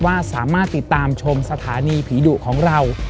ว่าสามารถติดตามชมสถานีผีดุของเรา